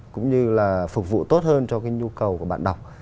cũng như là phục vụ tốt hơn cho cái nhu cầu của bạn đọc